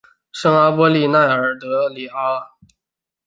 圣阿波利奈尔德里阿。